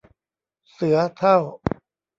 เสือเฒ่า